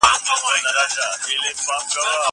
زه اوږده وخت سړو ته خواړه ورکوم!